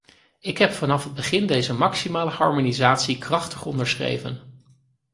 Ik heb vanaf het begin deze maximale harmonisatie krachtig onderschreven.